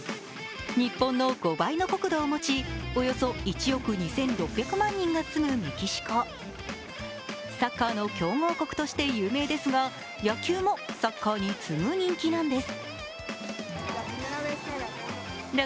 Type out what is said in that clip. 日本の５倍の国土を持ちおよそ１億２６００万人が住むメキシコサッカーの強豪国として有名ですが野球もサッカーに次ぐ人気なんです。